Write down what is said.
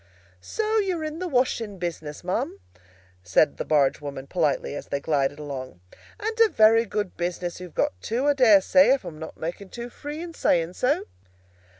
"So you're in the washing business, ma'am?" said the barge woman politely, as they glided along. "And a very good business you've got too, I dare say, if I'm not making too free in saying so."